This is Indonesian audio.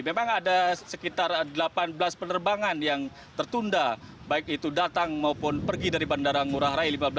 memang ada sekitar delapan belas penerbangan yang tertunda baik itu datang maupun pergi dari bandara ngurah rai